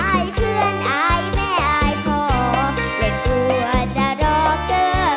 เพื่อนอายแม่อายพอและกลัวจะรอเกอร์